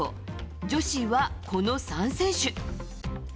女子は、この３選手。